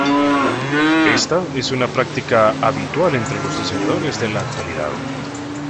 Esta es una práctica habitual entre los diseñadores de la actualidad.